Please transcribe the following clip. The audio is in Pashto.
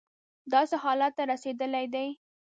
داسې حالت ته رسېدلی دی.